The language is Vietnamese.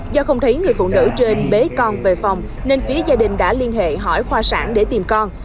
do không thấy người phụ nữ trên bế con về phòng nên phía gia đình đã liên hệ hỏi khoa sản để tìm con